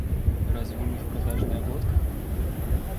Разве у них продажная водка?